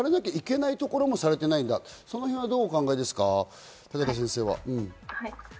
されなきゃいけないところもされていないんだと、そのへんはどうお考えですか？